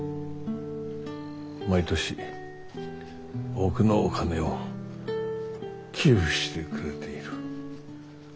毎年多くのお金を寄付してくれている。